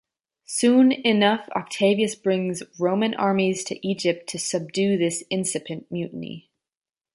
Soon enough Octavius brings Roman armies to Egypt to subdue this incipient mutiny.